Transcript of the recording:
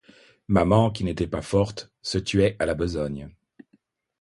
Maman, qui n'était pas forte, se tuait à la besogne.